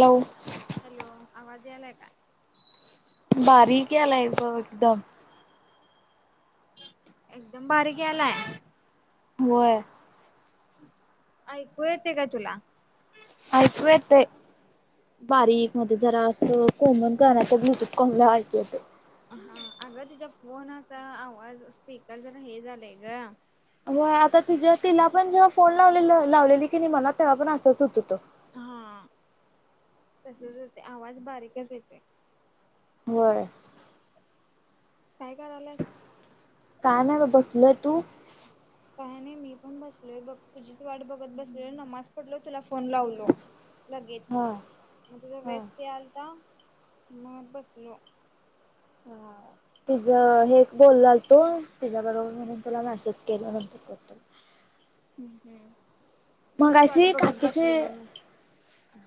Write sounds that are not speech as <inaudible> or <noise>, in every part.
लव hello आवाज यायला का? बारीक यायलाय जो एकदम. एकदम बारीक यायलाय. व्हय ऐकु येतंय का तुला? ऐकूे येतय बारीक मध्ये जरा असं कोंबुन करण्याचं भूत कोमल्या क <unintelligible> हा अगं तिच्या फोनचा आवाज स्पीकर जरा हे झालंय ग! मग आता तिच्या तिला पण जेव्हा फोन लावले लावलेली की नाही मला त तेव्हा पण असंच होत होतं. तसंच होत आवाज बारीकच येतोय. होय. काय करायलास का नाही बा बसल तू? काय नाही मी पण बसलोय बघ तुझीच वाट बघत बसलय नमाज पडलो तुला फोन लावलो लगेच हा मग तुझ हा व्यस्त आलता मग बसलो. हा तिचं हे एक बोललाल तो तिच्याबरोबर मीनी तुला मॅसेज केलं म्हणतो करतो. <unintelligible> हम्म-हम्म मगाशी काकीचे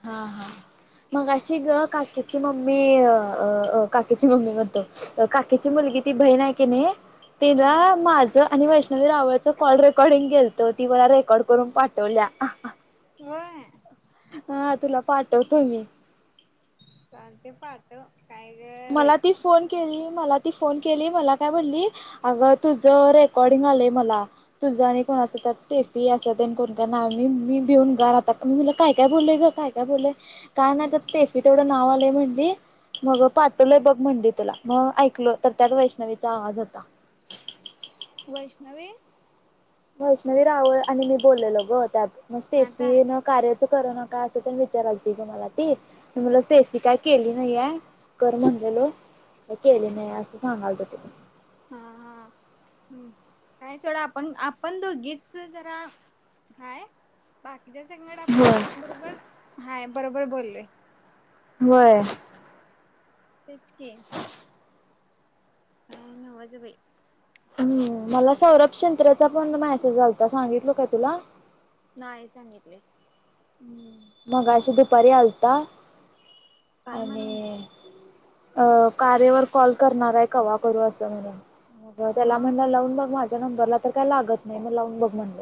हा- हा मग अशी ग काकीची मम्मी अ-अ काकीची मम्मी म्हणते स काकी मुलगी ती बहीण आहे की नाही हा तिला माझं आणि वैष्णवी रावळच कॉल रेकॉर्डिंग गेलतो ती मला रेकॉर्ड करून पाठ को ल्या व्हय हा तुला पाठवतो मी. चालते पाठव. मला ती फोन केली मला ती फोन केली मला काय म्हणली अगं तुझं रेकॉर्डिंग आलंय मला तुझं आणि कोणाचं स्टेफी अस पण कोणतं नाव मी- मी भीऊन गारातात मुलं काय- काय बोललेय ग? काय- काय बोलले? काय नाही ते स्टेफी तेवढं नाव आलंय म्हणली मग पा तुले बघ म्हणली तुला मग ऐकलं तर त्यात वैष्णवीचा आवाज होता. वैष्णवी वैष्णवी रावळ आणि मी बोललेलो ग त्यात म आता स्टेफी न कार्य ते कर ना काय ते पण विचारा आलती ग मला ती मला स्टेफी काय केली नाहीये. कर म्हणलेलो काही केले नाही असं सांगाल त तु हा-हा हम्म काय सोडा आपण-आपण दोघीच्च जरा हाय बाकीच्या संगड आपण होय. सगळ्यां बरोबर हाय बरोबर बोललोय. होय. तेच कि काय ना हो बाई हम्म मला सौरभ शंत्रचा पण मॅसेज आलता सांगितल काय तुला नाही सांगितले हम्म मग अशी दुपारी आलता काय आणि म्हणून अ कार्यावर कॉल करणार आहे कवा करू अस म्हणुन त्याला मग म्हणल लावून बग माझ्यावर नर तर का लागत नाही म लावून बग म्हणल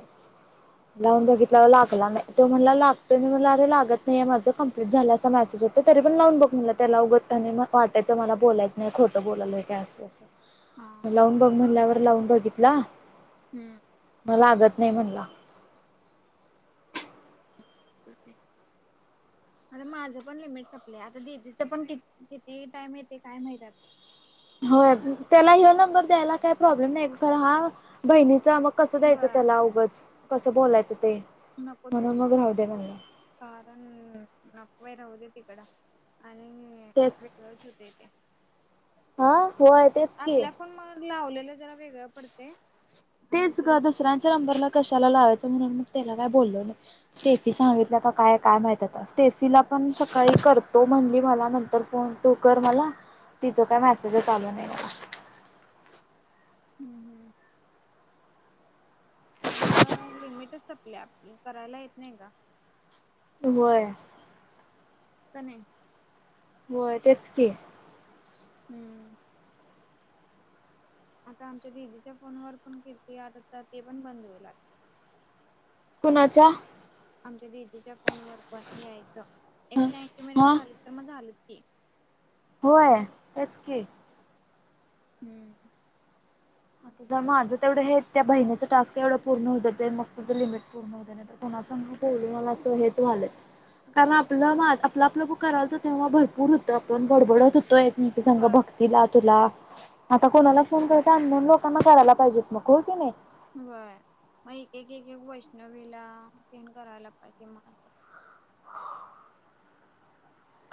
लावून बघितला लागला नाही मला लागतोय मला अरे लागत नाही माझं कंप्लीट झाल्याचा मेसेज येतोय तरी पण लावून बघ मनला त्याला उग आणि वाटायचं मला बोलायचं नाही खोटं बोलायलो काय हा असतसं लावून बघ म्हणल्यावर लावून बघितला हम्म लागत नाही म्हणला क <inaudible> माझं पण लिमिट संपलंय आता दिदीच पण कि किती टाइम येते काय माहित आता होय त्याला ह नंबर द्यायला काही प्रॉब्लेम नाही बर हा बहिणीचा मग कसं व द्यायचं त्याला उगच कसं बोलायचं ते नको म्हणून दिऊस मग राहू दे म्हणलं कारण नको बांई राहुदेत तिकड आणि तेच वेगळच होते ते हा होय तेच की, आपल्या फोन मग लावलेलं जरा वेगळं पडतय तेच ग दुसऱ्यांच्या नंबरला कशाला लावायचं, म्हणून मग त्याला काय बोलल नाही सेफी सांगितल्या का काय-काय माहितय स्टेफीला पण सकाळी करतो म्हणली मला नंतर फोन तू कर मला तिच काय मेसेजच आला नाही मला हम्म-हम्म, आता का लिमिटच आपल्या आपली करायला येत नाही का? होय तने, हो तेच की हम्म आता आमच्या दिदीच्या फोन वर पण किती आता तर ते पण बंद होईल आता, कुणाच्या? आमच्या दिदीच्या फोन वर पण यायचं एकशे ऐंशी मिनिट हा झाले तर मग झाले ह, होय तेच कि हम्म, जर माझं तेवढं हे त्या बहिणीचं टास्क एवढं पूर्ण होतं मग तुझं लिमिट पूर्ण होतय नाही तर सांग मला असं हेच झालं कारण आपलं मा आपलं-आपलं करायचं तेव्हा भरपूर होतं आपण बडबडत होत तो मी संग बर भक्तीला तुला आता कोणाला फोन करत म्हणून लोकांना करायला पाहिजेत मग हो की नाही <unintelligible> मग एक एक वैष्णवीला पण करायला पाहिजे मग असं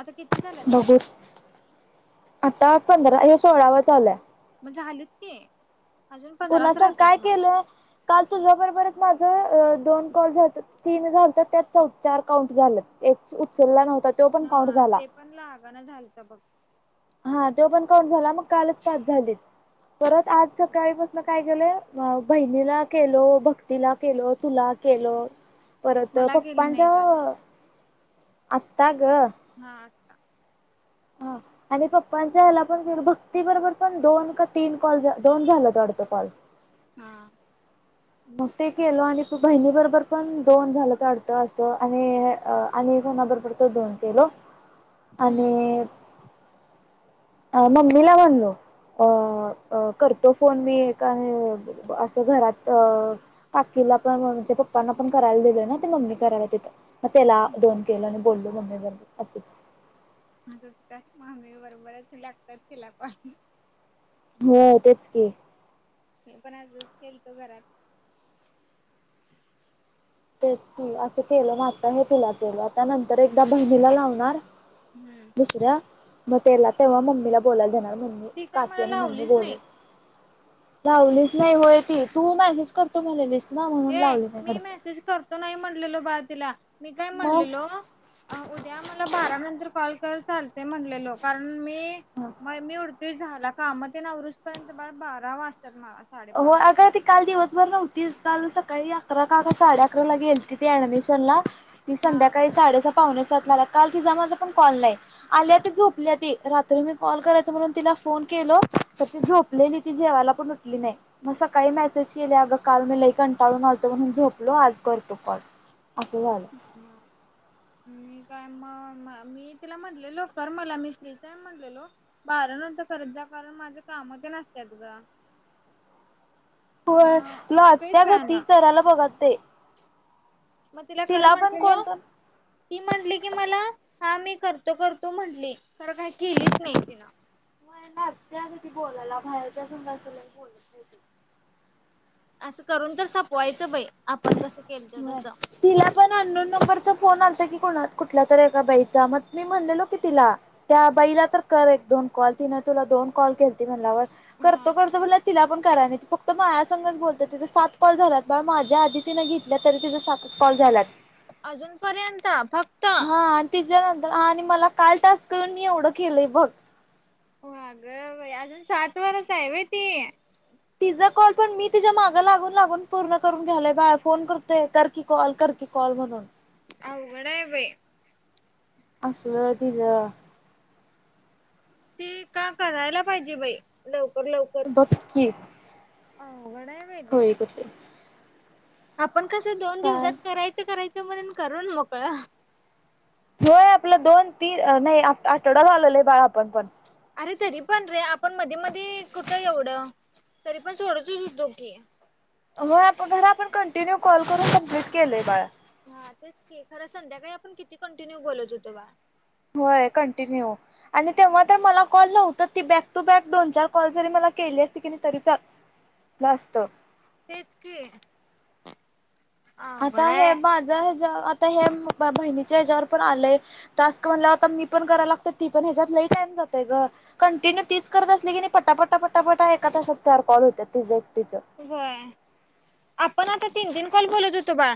आता किती झालात बघू तरी आता पंधरा हे सोळावा चालुय मग झालेत तकि, कुणा संग काय केलं काल तुझ्या बरोबरच की, माझं दोन कॉल झालत तीन झालत त्याच चौ चार काउंट झालं एक उचलला नव्हत हा ते पण लागना झालत बघ हा त तो पण काउंट झाला, मग कालच पाच झालेत परत आज सकाळीपासून काय झालंय बहिणीला केलो, भक्तीला केलो तुला केलो परत मला गेले पप्पांच्या नाहीस आज आत्ता हा आत्ता, ह आणि पप्पांच्या हेला पण भक्ती बरोबर पण दोन का तीन कॉल दोन झाल्यात वाढत कॉल हा. मग ते केलो आणि बहिणी बरोबर पण दोन झाल्यात वाढत अस आणि आणि कोणा बरोबर तर दोन केलो आणि हम्म. अ मम्मीला म्हणलो. अ अ करतो फोन मी एक आणि असं घरात काकी तुला पण जे पप्पांना पण करायला दिलं ना ते मम्मी करायला तिथं म त्याला दोन केल आणि बोललो मम्मी बरबर अस असंच का मम्मी बरोबरच लागतात तिला पण हो तेच की मी पण असच केलतो, घरात. तेच की, असं केलं न आता हे तुला केलं, त्यानंतर एकदा बहिणीला लावणार हम्म दुसऱ्या मग तेला तेव्हा मम्मीला बोलायला देणार. मम्मी ती काय काकी मला आणि मम्मी लावलीच जेवलो. नाही लावलीच नाही, होय की तू मेसेज करतो म्हणलेलीस ना म्हणून लावली नाही वाढतं तो नाही म्हणलेलो बाळ तिला, मी काय म्हणलेलो मग उद्या मला बारा नंतर कॉल कर चालतंय म्हटलेलो कारण मी म मी ते झाला काम तेन आवरूस तोपर्यंत बाळ बारा वाजता होय अग ती काल दिवसभर नव्हतीच. काल सकाळी अकरा का ते साडे अकराला गेलती ती अऍडमिशनला नी हा. संध्याकाळी साडेसहा पावणेसात आल्या काल तिझामाझा पण कॉल नाही, आल्या ते झोपल्या ती. रात्री मी कॉल करायच म्हणून तिला, फोन केलो तर ती झोपलेली ती जेवायला पण उठ ली नाही मग सकाळी मेसेज केल्या अग काल मी लई कंटाळून आलतो म्हणून झोपलो आज करतो कॉल अस झाल. हा मी काय मग मी तिला म्हणलेलो कर मला मी फ्रीच आहे म्हणलेलो बारा नंतर करत जा कारण माझं काम तेन असत्यात ग व्हय मग लाजत्या उठतोयच ग ती वेळानं करायला बघत नाही मग तिला कर म्हटलेल ती म्हटली कि मला हा मी करतो करतो म्हटली खर काही केलीच नाही तिन होय लाजत्या गं बोलायला बाहेरच्या संग अस लई बोलत नाही ती असं करून तर संपवायचं बाई. आपण कसं केलतो तसं तिला पण अननोन नंबरचा फोन आलत. ता कुठला तर एका बाईचा मग मी म्हणलेलो की तिला त्या बाईला तर कर एक दोन कॉल तिने तुला दोन कॉल केलती म्हणाल्यावर हा करतो करतो म्हणलं तिला पण कराय नाही त फक्त माझ्यासंगच बोलत्या तिचा सात कॉल झाल्यात बाळ माझ्या आधी तिने घेतल्या तरी तिचं सातच कॉल झाल्यात. अजून पर्यंत.. फक्त त्तिच्यानंतरन आणि मला काल टास्क येऊन मी एवढं केलंय बघ. अग बाई! अजून सातवरच हाय व्हय ती. तिचा कॉल पण मी तिच्या मागं लागून लागून पूर्ण करून घ्यालोय बाळ कोण करतोय कर की कॉल कर की कॉल म्हणून अवघड आहे बाई अस तिज ती का करायला पाहिजे बाई लव. बघ की अवघड आहे बाई होय करतेच. पण कसं दोन दिवसात करायचं करायचं म्हण करून मोकळ होय आपलं दोन तीन नाही आठवडा झालेला आहे बाळ आपल पण अरे तरी पण रे आपण मधी मधी कुठं एवढं तरी पण सोडतच होतेकी होय खरं आपण कंटिन्यू कॉल करून कमप्लीट केलंय बाळा हा तेच ते खरं संध्याकाळी आपण किती कंटिन्यू बोलवत होतो बा होय कंटिन्यू आणि तेव्हा तर मला कॉल नव्हत ती बॅक टू बॅक दोन चार कॉल जरी मला केली असते की नाही तरी चालल असत. तेच की आता अवघड हे आहे. माझ हे ज हे बहिणीच्या ह्याच्यावर पण आलंय टास्क म्हणल्यावर मी पण करायला लागते ती पण ह्याच्यात नाही ग कंटिन्यू तीच करत असली की नाही पटापटा पटाटा एका तासात चार कॉल होतात तीच होय आपण आता तीन दिन कोल बोलत होतो बा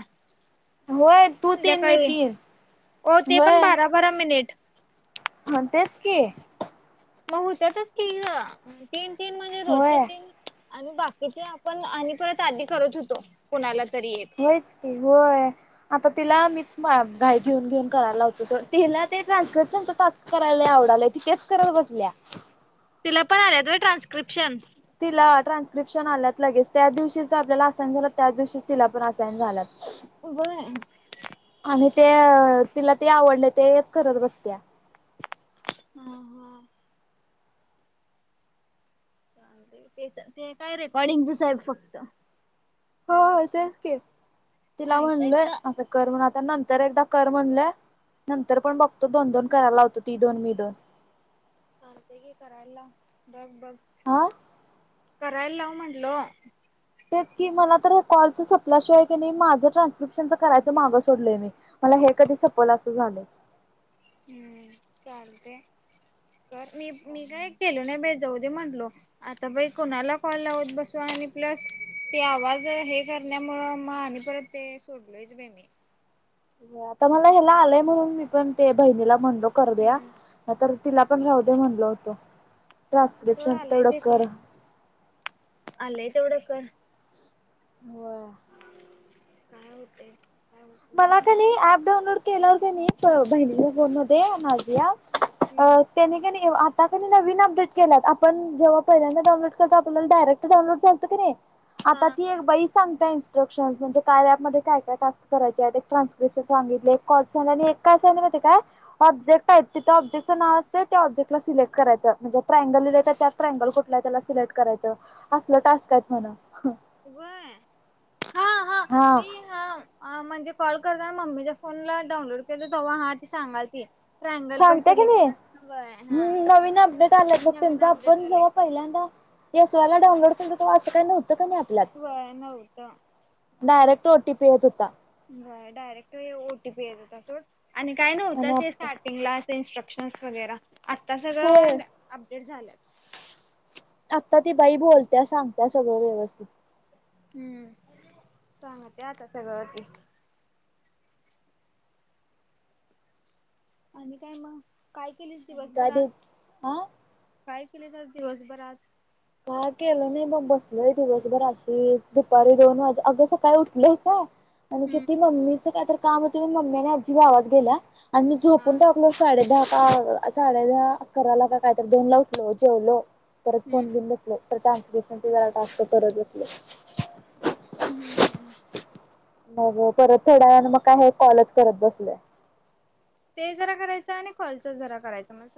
होय तू तीन मी संध्याकाळी तीन ओ ते पण होय. बारा बारा मिनिट हा तेच की, मग हुत्यातच की ग तीन तीन म्हणजे होय रोजचे तीन आणि बाकीचे आपण आणि परत आधी करत होतो कुणाला तरी एक होयच की होय आता तिला मीच मा घाय घेऊन घेऊन करायला लावतो होतो त तिला ते ट्रान्सकशन टास्क करायला लय आवडालय. तेच करत बसल्या तिला पण आलेत व्हय ट्रान्स्क्रिप्शन तिला ट्रान्स्क्रिप्शन आल्यात लगेच त्या दिवशी ज आपल्याला असाईन झाला त्या दिवशी तिला पण असाईन झालात. व्हय. आणि ते तिला ते आवडल ते एक करत बसत्या. हा हा जाऊदे ते ते काय रेकॉर्डिंगच आहेत फक्त हो तेच की तिला म्हणल ऐकायचं आता कर म्हणुन आत त्या नंतर एकदा कर म्हणल नंतर पण बघतो दोन दोन करायला लावतो ती दोन मी दोन चालतय की करायला लाव बघ बघ हा करायला लाव म्हटलो. तेच की मला तर कॉलच सपल्याशिवाय क नाय माझं ट्रान्स्क्रिप्शनच करायच माग सोडलय मी मला हे कधी सपवलं असं झालेय. हम्म चालते कर मी मी काय केलो नाय बय जाऊदे म्हंटलो आता बाई कोणाला कॉल लावत बसू आणि प्लस ते आवाज हे कर मुळ म आणि परत ते सोडलोयच बय मी हो आता मला ह्याला आलंय म्हणून मी पण ते बहिणीला म्हणलो कर उदया हम्म नाय तर तिला पण राहु दे म्हणल होतं ट्रान्स्क्रिप्शनचं तेवढं कर आलय तेवढ कर होय. काय होतंय. होत मला त्याला का नाही ऍप डाऊनलोड केल्यावर कनय त बहिणीच्या फोन मध्ये माझीया हम्म अ त्यानी कनय ये आप आता का नाही नवीन अपडेट केला आपण जेव्हा पहिल्यांदा डाऊनलोड करता आपल्याला डायरेक्ट डाउनोडचं आलत की नाही. आता हा ती एक बई सांगता इन्स्ट्रक्शन्स म्हणजे कार्या ऍपमध्ये काय काय टास्क कराय एक ट्रान्स्क्रिप्शन सांगितल एक कॉल एक काय सांगितलं माहिती हाय का ओब्जेक्ट आहेत तिथं ऑब्जेक्ट चं नाव असते त्या ओब्जेक्टला सिलेक्ट करायचं म्हणजे ट्रांगल दिलंय तर त्यात ट्राँगल कुठला हाय त्याला सिलेक्ट करायचं. असलं टास्क आहेत म्हण व्हय हा हा मी हा अ म्हणजे कॉल करता मम्मीच्या फोनला डाउनलोड केलं तवा हा ती सांगालती ट्रायंगल पण सांगते की सिलेक्ट नाही कर व्हय हा हम्म नवीन अपडेट आला नवीन बघ अपडेट आपण आलंय जेव्हा पहिल्यांदा एस वाय ला डानलोड केलत तवा असं काय नव्ह व्हय नव्हत. डायरेक्ट ओटीपी येत होता. व्हा डायरेक्ट ओटीपी येत सोड आणि काय नव्हतं आणि ते आता स्टार्टिंगला इन्स्ट्रक्शनस वगैरे आता होय सगळं अपडेट झाल्यात. आत्ता ती बाई बोलत्या सांगत्या सगळं व्यवस्थित. हम्म सांगतुला आता सगळं ती आणि काय मग काय केलीस आणि दिवसभर काय ते आज हा काय? केलीस आज दिवसभर आज काय केलं नाय बघ बसलोय दिवसभर अशी दुपारी दोन वाजे अग सकाळी उठलो होतो आणि हम्म किती मम्मीच काय तरी काम होतं म्हणून मम्मीन आजी गावात गेल्या आणि मी हा झोपून टाकलो साडे दहा साडेदहा अकराला का कायतर दोनला उठलो जेवलो परत हम्म फोन घेऊन बस परत टास्क कीती वेळा टास्क करत बसले? हम्म हम्म मग परत थोड्या वेळान मग का हे कॉलच करत बसलय ते जरा करायचं आणि कॉलच जरा करायचं मस्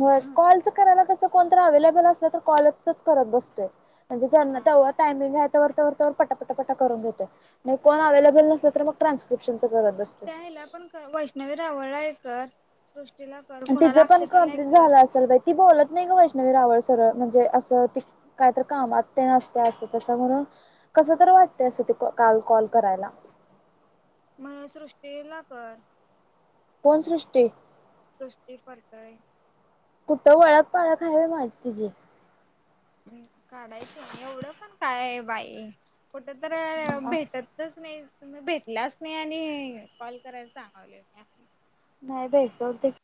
हो कॉलच करायला कस कोणत अव्लेबल असलं तर कॉलचच करत बसतोय म्हणजे जनां हा तेव्वा टामिंग आहेत तवरतवरतवर पटापटा करून घेतोय मग कोन अवेलेबल नसल तर ट्रासलेशच त्या हला पण वैष्णवी रावळल ए कर सृ तिचं पण कम्प्लीट झालं असेल ती बोलत नाही ग वैष्णवी रावळ सगळ म्हणजे अस काय तरी कामात नसते अस त म्हणून कस तरी वाटते अस काल कॉल करायला मण सृष्टीला कर कोण सृष्टी तुष्टी पडत र कुठं ओळख पाळख आहे माझी तिची काढायचं एवढं पण काय बाई कुठ तर भेटतच नाही तुम्ही भेटलाच नाही आणि कॉल करायला सांगावले म्या नाही बाई बहुतेक